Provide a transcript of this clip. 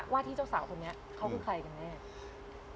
ที่เจ้าสาวคนนี้เขาคือใครกันแน่